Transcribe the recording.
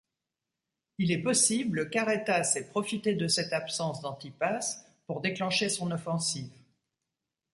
Il est possible qu'Arétas ait profité de cette absence d'Antipas pour déclencher son offensive.